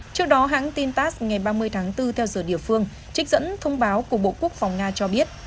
trước đó hãng tin tass ngày ba mươi tháng bốn theo giờ địa phương trích dẫn thông báo của bộ quốc phòng nga cho biết